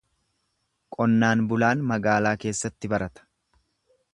Qonnaan bulaan magaalaa keessatti barata.